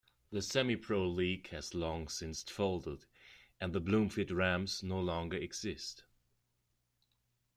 The semipro league has long since folded, and the Bloomfield Rams no longer exist.